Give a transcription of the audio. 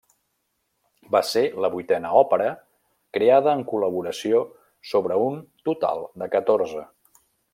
Va ser la vuitena òpera creada en col·laboració, sobre un total de catorze.